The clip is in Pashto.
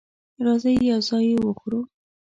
راځئ یو ځای یی وخورو